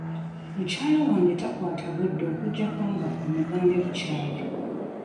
Mukyala wange takwata budde okuggyako nga omugambye bukyali.